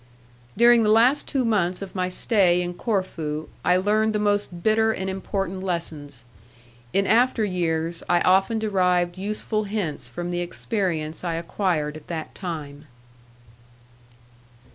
During the last two months of my stay in Corfu, I learned the most bitter and important lessons. In after years I often derived useful hints from the experience I acquired at that time.